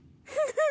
フフフ！